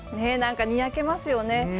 なんかにやけますよね。